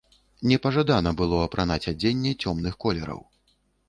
Непажадана было апранаць адзенне цёмных колераў.